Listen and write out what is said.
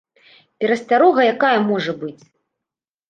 Перасцярога якая можа быць?